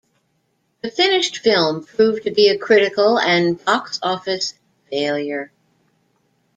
The finished film proved to be a critical and box office failure.